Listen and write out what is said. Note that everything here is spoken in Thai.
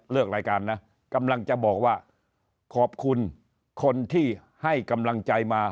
รายการนะกำลังจะบอกว่าขอบคุณคนที่ให้กำลังใจมา